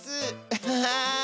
アハハー！